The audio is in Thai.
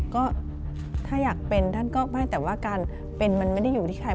ก็ถ้าอยากเป็นท่านก็ไม่แต่ว่าการเป็นมันไม่ได้อยู่ที่ใคร